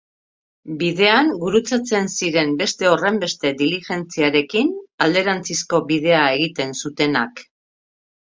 Bidean gurutzatzen ziren beste horrenbeste diligentziarekin, alderantzizko bidea egiten zutenak.